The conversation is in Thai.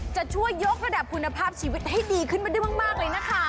จะช่วยยกระดับคุณภาพชีวิตให้ดีขึ้นมาได้มากเลยนะคะ